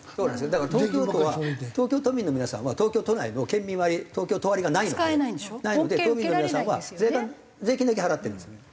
だから東京都は東京都民の皆さんは東京都内の県民割東京都割がないので都民の皆さんは税金だけ払ってるんですね。